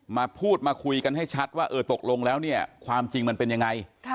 มาพูดมาคุยกันให้ชัดว่าเออตกลงแล้วเนี่ยความจริงมันเป็นยังไง